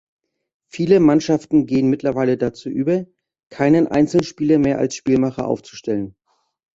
Viele Mannschaften gehen mittlerweile dazu über, keinen Einzelspieler mehr als Spielmacher aufzustellen.